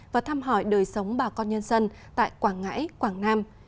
và thăm hỏi đời sống bà con nhân dân tại quảng ngãi quảng nam